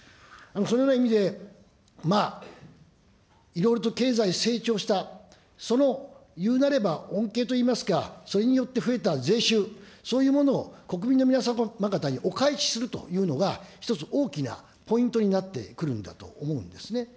そのような意味で、いろいろと経済成長した、そのいうなれば恩恵といいますか、それによって増えた税収、そういうものを国民の皆様方にお返しするというのが、一つ、大きなポイントになってくるんだと思うんですね。